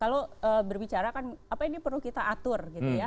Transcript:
kalau berbicara apa ini perlu kita atur